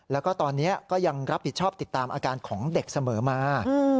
แล้วก็ตอนนี้ก็ยังรับผิดชอบติดตามอาการของเด็กเสมอมา